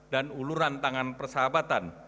dan uluran tangan persahabatan